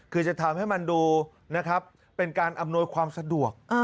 คือจะทำให้มันดูนะครับเป็นการอำนวยความสะดวก